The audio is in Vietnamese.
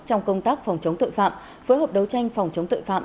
trong công tác phòng chống tội phạm phối hợp đấu tranh phòng chống tội phạm